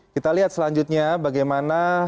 kita lihat selanjutnya bagaimana